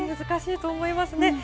難しいと思いますね。